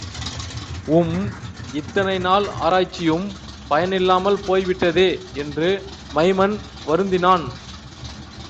உம், இத்தனை நாள் ஆராய்ச்சியும் பயனில்லாமல் போய் விட்டதே! என்று மைமன் வருந்தினான்.